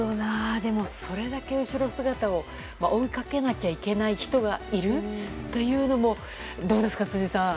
でも、それだけ後ろ姿を追いかけなきゃいけない人がいるというのもどうですか、辻さん。